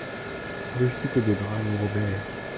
Rue Cité des Braves au Robert